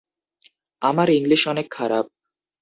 আমার ইংলিশ অনেক খারাপ।